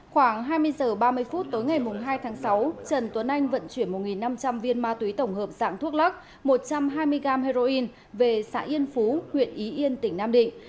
khoảng hai mươi h ba mươi phút tối ngày hai tháng sáu trần tuấn anh vận chuyển một năm trăm linh viên ma túy tổng hợp dạng thuốc lắc một trăm hai mươi g heroin về xã yên phú huyện ý yên tỉnh nam định